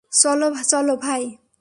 চলো চলো ভাই।